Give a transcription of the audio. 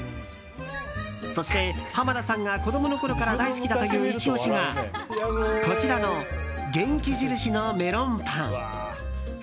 そして、濱田さんが子供のころから好きだというイチ押しがこちらの元気印のメロンパン。